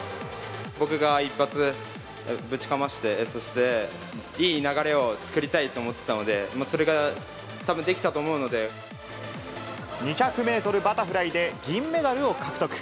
僕が一発ぶちかまして、そして、いい流れを作りたいと思ってたので、２００メートルバタフライで銀メダルを獲得。